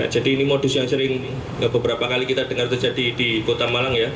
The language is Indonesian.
jadi ini modus yang sering kita dengar terjadi di kota malang